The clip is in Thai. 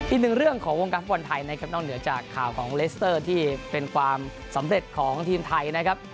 อีกหนึ่งเรื่องของวงการฟุตบอลไทยนะครับนอกเหนือจากข่าวของเลสเตอร์ที่เป็นความสำเร็จของทีมไทยนะครับ